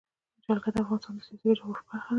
جلګه د افغانستان د سیاسي جغرافیه برخه ده.